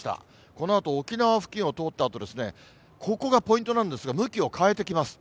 このあと沖縄付近を通ったあと、ここがポイントなんですが、向きを変えてきます。